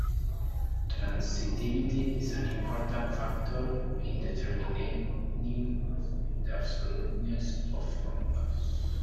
Transitivity is an important factor in determining the absoluteness of formulas.